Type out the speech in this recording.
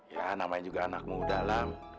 ya namanya juga anak muda lah